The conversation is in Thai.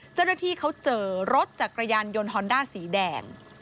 เจ้าหน้าที่เขาเจอรถจักรยานยนต์ฮอนด้าสีแดง